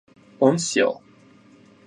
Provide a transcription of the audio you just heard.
Он сел.